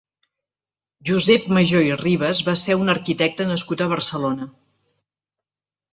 Josep Majó i Ribas va ser un arquitecte nascut a Barcelona.